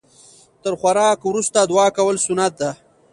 تر خوراک وروسته دعا کول سنت ده